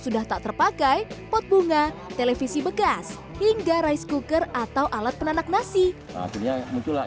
sudah tak terpakai pot bunga televisi bekas hingga rice cooker atau alat penanak nasi artinya muncullah